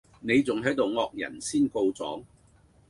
你仲係度惡人先告狀